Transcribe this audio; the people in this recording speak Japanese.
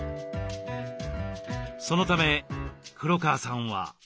そのため黒川さんは。